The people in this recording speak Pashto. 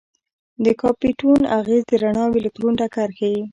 د کامپټون اغېز د رڼا او الکترون ټکر ښيي.